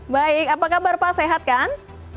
baik apa kabar pak sehat kan